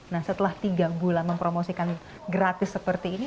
nah setelah tiga bulan mempromosikan gratis seperti ini